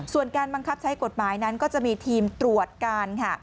ส่วนการบังคับใช้กฎหมายนั้นก็จะมีทีมตรวจการค่ะ